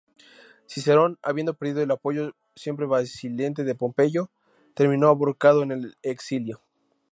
Cicerón, habiendo perdido el apoyo siempre vacilante de Pompeyo, terminó abocado al exilio.